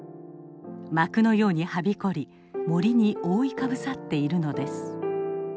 幕のようにはびこり森に覆いかぶさっているのです。